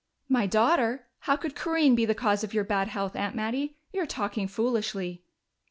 "My daughter? How could Corinne be the cause of your bad health, Aunt Mattie? You're talking foolishly."